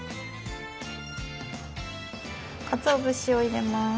かつお節を入れます。